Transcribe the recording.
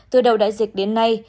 từ đầu đại dịch đến nay